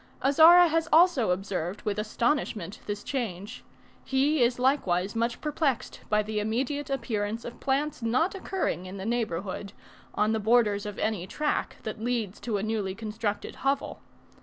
Azara has also observed with astonishment this change: he is likewise much perplexed by the immediate appearance of plants not occurring in the neighbourhood, on the borders of any track that leads to a newly constructed hovel.